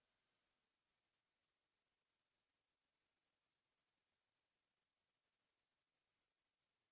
การทำงาน